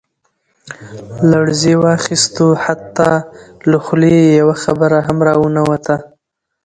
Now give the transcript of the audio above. لړزې واخستو حتا له خولې يې يوه خبره هم را ونوته.